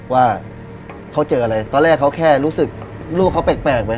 ว่าเขาเจออะไรตอนแรกเขาแค่รู้สึกลูกเขาแปลกไหม